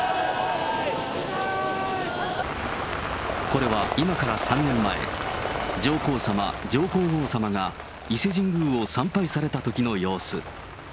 これは今から３年前、上皇さま、上皇后さまが伊勢神宮を参拝されたときの様子。